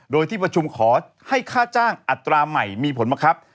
โดยที่ประชุมขอให้ค่าจ้างอัตราใหม่มีผลบังคับ